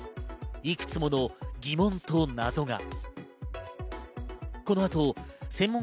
いくつもの疑問と謎が。